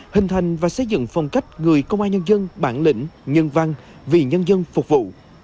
hình thành và xây dựng phong cách người công an nhân dân bản lĩnh nhân văn vì nhân dân phục vụ